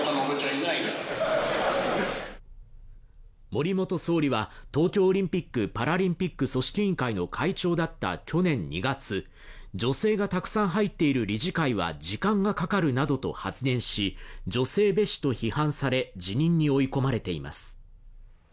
森元総理は、東京オリンピック・パラリンピック組織委員会の会長だった去年２月、女性がたくさん入っている理事会は時間がかかるなどと発言し女性蔑視と批判され、辞任に追い込まれています。